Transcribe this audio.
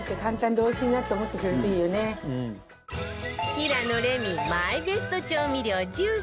平野レミマイベスト調味料１０選